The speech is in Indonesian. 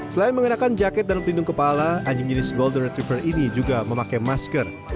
selain mengenakan jaket dan pelindung kepala anjing jenis golden trifer ini juga memakai masker